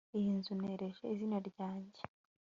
iyi nzu nereje izina ryanjye